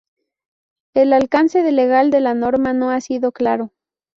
El alcance legal de la norma no ha sido claro.